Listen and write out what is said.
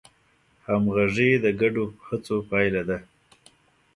همغږي د ګډو هڅو پایله ده.